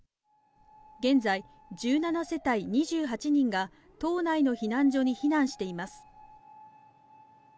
現在、１７世帯２８人が島内の避難所に避難しています。